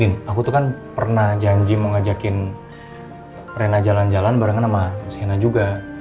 aku tuh kan pernah janji mau ngajakin rena jalan jalan barengan sama shena juga